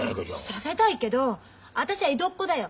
させたいけど私は江戸っ子だよ。